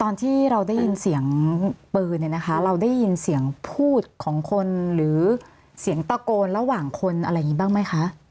ตอนที่เราได้ยินเสียงปืนเนี่ยนะคะเราได้ยินเสียงพูดของคนหรือเสียงตะโกนระหว่างคนอะไรอย่างนี้บ้างไหมคะ